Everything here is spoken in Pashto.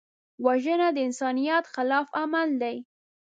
وژنه د انسانیت خلاف عمل دی